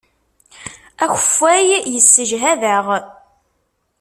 Akeffay yessejhad-aɣ.